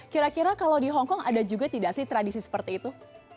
kira kira kalau di hongkong ada juga tidak sih tradisi seperti itu